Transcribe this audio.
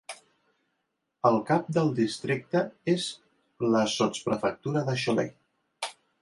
El cap del districte és la sotsprefectura de Cholet.